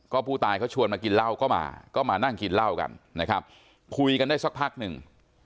ก็ผู้ตายเขาชวนมากินเหล้าก็มาก็มานั่งกินเหล้ากันนะครับคุยกันได้สักพักหนึ่ง